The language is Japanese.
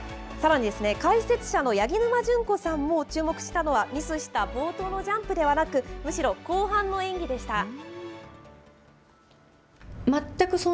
さらにですね、解説者の八木沼純子さんも注目したのは、ミスした冒頭のジャンプではなく、むしろ後半の演技でした。